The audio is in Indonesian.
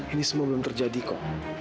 ini semua belum terjadi kok